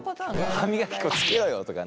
歯磨き粉つけろよとかね。